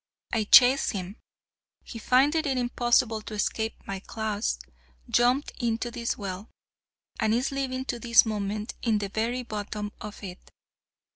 I chased him. He, finding it impossible to escape my claws, jumped into this well, and is living to this moment in the very bottom of it.